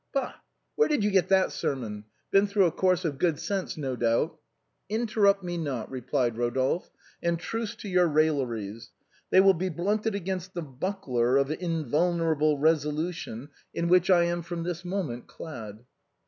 " Bah ! where did you get that sermon ? Been through a course of good sense, no doubt." " Interrupt me not," replied Eodolphe, " and truce to your railleries. They will be blunted against the buckler of invulnerable resolution in which I am from this moment clad."